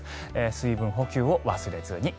水分補給を忘れずに。